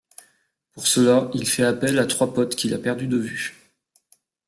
Pour cela, il fait appel à trois potes qu'il a perdu de vue.